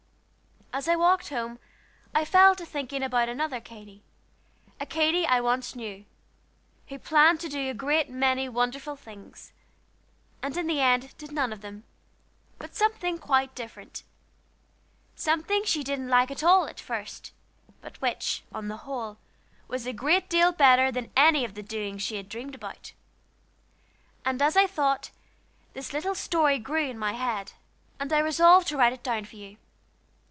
As I walked home I fell to thinking about another Katy, a Katy I once knew, who planned to do a great many wonderful things, and in the end did none of them, but something quite different, something she didn't like at all at first, but which, on the whole, was a great deal better than any of the doings she had dreamed about. And as I thought, this little story grew in my head, and I resolved to write it down for you.